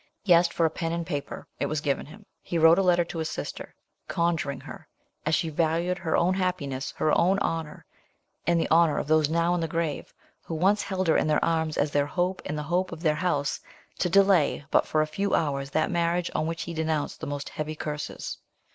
He asked for pen and paper; it was given him; he wrote a letter to his sister, conjuring her, as she valued her own happiness, her own honour, and the honour of those now in the grave, who once held her in their arms as their hope and the hope of their house, to delay but for a few hours that marriage, on which he denounced the most heavy curses.